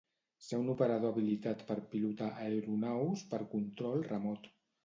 Ser un operador habilitat per pilotar aeronaus per control remot.